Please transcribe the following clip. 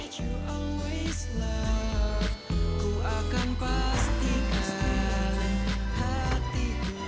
karena pesona bulan purnamamu akan selalu ku nikmati